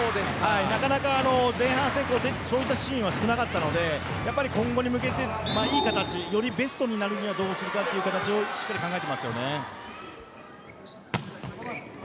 なかなか前半戦そういったシーンは少なかったので今後に向けて、いい形よりベストになるにはどうするかという形をしっかり考えていますよね。